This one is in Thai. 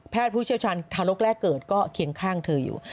ผู้เชี่ยวชาญทารกแรกเกิดก็เคียงข้างเธออยู่